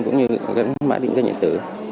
cũng như mã định danh điện tử